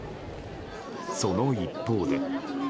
その一方で。